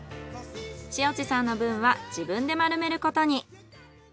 塩地さんの分は自分で丸めることに。